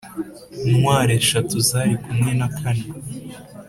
ntwari eshatu zari kumwe na kane